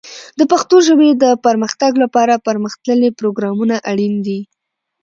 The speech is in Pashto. د پښتو ژبې د پرمختګ لپاره پرمختللي پروګرامونه اړین دي.